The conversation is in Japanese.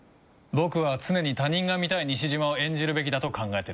僕は常に他人が見たい西島を演じるべきだと考えてるんだ。